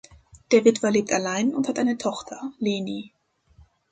Der Witwer lebt allein und hat eine Tochter, Leni.